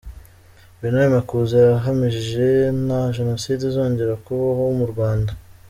Bernard Makuza yahamije nta Jenoside izongera kubaho mu Rwanda.